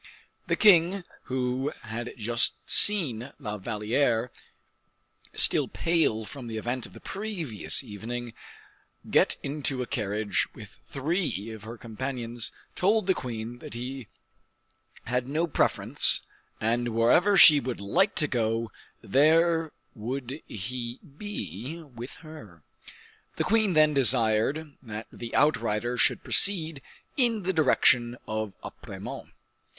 The king, who had just seen La Valliere, still pale from the event of the previous evening, get into a carriage with three of her companions, told the queen that he had no preference, and wherever she would like to go, there would he be with her. The queen then desired that the outriders should proceed in the direction of Apremont.